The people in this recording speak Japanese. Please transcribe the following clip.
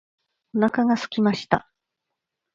お腹がすきました